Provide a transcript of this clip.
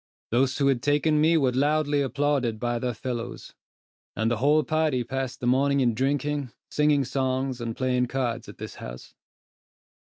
Those who had taken me were loudly applauded by their fellows; and the whole party passed the morning in drinking, singing songs, and playing cards at this house.